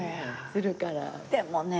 でもね